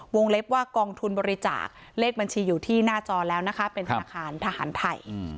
เล็บว่ากองทุนบริจาคเลขบัญชีอยู่ที่หน้าจอแล้วนะคะเป็นธนาคารทหารไทย